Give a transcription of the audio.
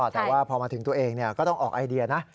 แต่ว่าพอมาถึงตัวเองก็ต้องออกไอเดียนะ